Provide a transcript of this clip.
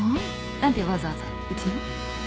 何でわざわざうちに？